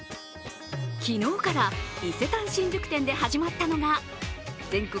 昨日から伊勢丹新宿店で始まったのが全国